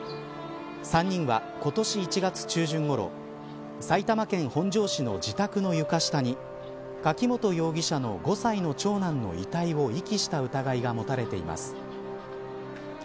３人は、今年１月中旬ごろ埼玉県本庄市の自宅の床下に柿本容疑者の５歳の長男の遺体を遺棄した疑いが持たれています。